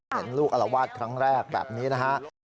เห็นลูกอลวาดครั้งแรกแบบนี้นะฮะ